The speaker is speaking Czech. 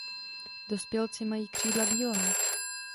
Dospělci mají křídla bílá.